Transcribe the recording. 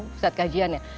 pusat kajian ya